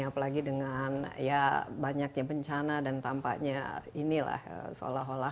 apalagi dengan ya banyaknya bencana dan tampaknya inilah seolah olah